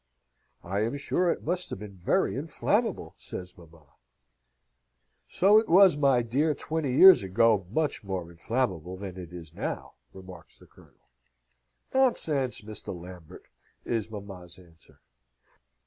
"I am sure it must have been very inflammable," says mamma. "So it was, my dear, twenty years ago, much more inflammable than it is now," remarks the Colonel. "Nonsense, Mr. Lambert," is mamma's answer.